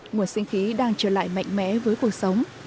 mùa sinh khí đang trở lại mạnh mẽ với cuộc sống